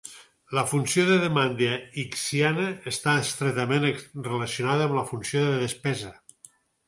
La funció de demanda Hicksiana està estretament relacionada amb la funció de despesa.